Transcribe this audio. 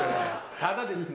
ただですね